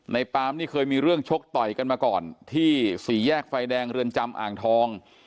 ปามนี่เคยมีเรื่องชกต่อยกันมาก่อนที่สี่แยกไฟแดงเรือนจำอ่างทอง